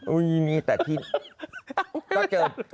ก็เจอไม่ดีมาเยอะแล้วก็เจอดีบ้างสิ